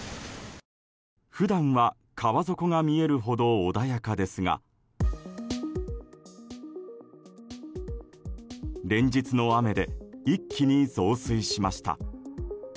普段は川底が見えるほど穏やかですが連日の雨で一気に増水しました。